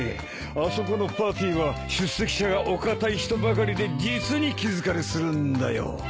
あそこのパーティーは出席者がお堅い人ばかりで実に気疲れするんだよ。